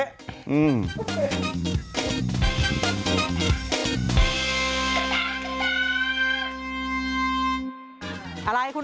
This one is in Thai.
อะไรคุณโอมไหน